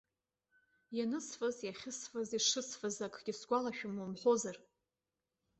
Ианысфаз, иахьысфаз, ишысфаз акгьы сгәалашәом умҳәозар.